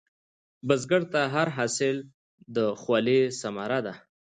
بزګر ته هر حاصل د خولې ثمره ده